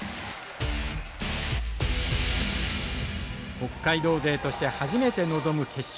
北海道勢として初めて臨む決勝。